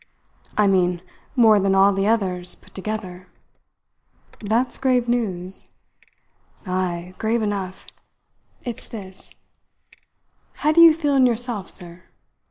"I mean more than all the others put together." "That's grave news." "Ay, grave enough. It's this how do you feel in yourself, sir?